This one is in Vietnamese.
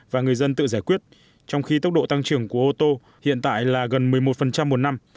và người dân tự giải quyết trong khi tốc độ tăng trưởng của ô tô hiện tại là gần một mươi một một năm